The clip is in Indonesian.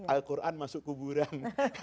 al quran masuk kuburan